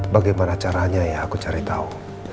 bagaimana caranya ya aku cari tahu